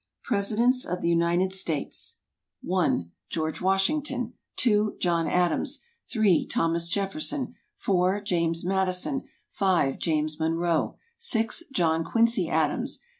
Presidents of the United States (1) George Washington. (2) John Adams. (3) Thomas Jefferson. (4) James Madison. (5) James Monroe. (6) John Quincy Adams.